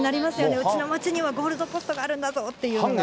うちの町には、ゴールドポストがあるんだぞっていうのが。